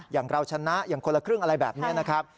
อย่างเราชนะอย่างคนละครึ่งอะไรแบบนี้นะครับ